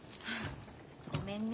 ごめんね